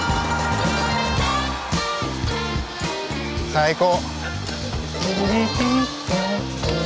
最高。